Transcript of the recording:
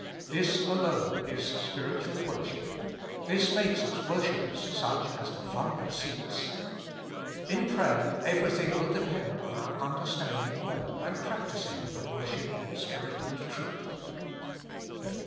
This alone is spiritual worship ; this makes us wor shippers such as the Father seeks. In prayer every With Christ in the School of Prayer. thing will depend on our understanding well and practising the worship in spirit and truth.